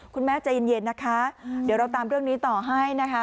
คุณแม่ใจเย็นนะคะเดี๋ยวเราตามเรื่องนี้ต่อให้นะคะ